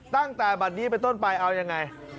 ตั้งแต่บัตรนี้ไปต้นไปเอายังไง